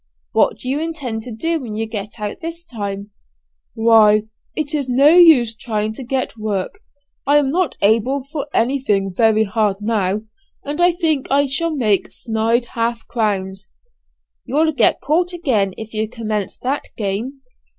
"What do you intend to do when you get out this time?" "Why, it's no use trying to get work; I am not able for anything very hard now, and I think I shall make snyde half crowns." "You'll get caught again if you commence that game."